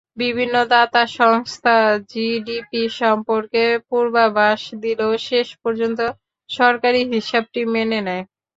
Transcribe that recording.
বিভিন্ন দাতা সংস্থা জিডিপি সম্পর্কে পূর্বাভাস দিলেও শেষ পর্যন্ত সরকারি হিসাবটি মেনে নেয়।